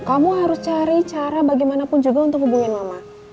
kamu harus cari cara bagaimanapun juga untuk hubungin mama